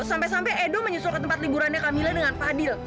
sampai sampai edo menyusul ke tempat liburannya kamila dengan fadil